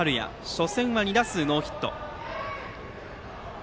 初戦は２打数ノーヒット。